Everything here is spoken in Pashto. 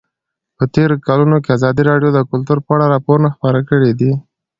په تېرو کلونو کې ازادي راډیو د کلتور په اړه راپورونه خپاره کړي دي.